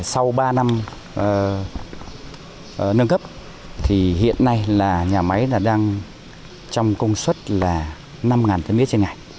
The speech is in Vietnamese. sau ba năm nâng cấp thì hiện nay là nhà máy đang trong công suất là năm tấn mía trên ngày